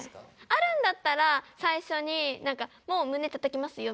あるんだったら最初になんか「もう胸たたきますよ」